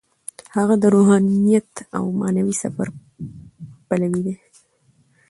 هغه د روحانیت او معنوي سفر پلوی دی.